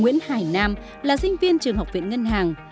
nguyễn hải nam là sinh viên trường học viện ngân hàng